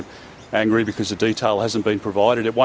dan saya pikir mereka marah karena detailnya tidak diberikan